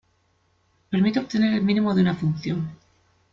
Permite obtener el mínimo de una función.